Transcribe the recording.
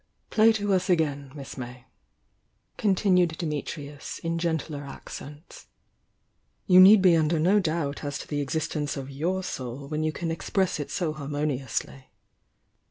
"Play to us again, Miss May," continued Dimit rius in gentler accents. "You need be under no doubt as to the existence of your soul when you can express it so harmonioudy."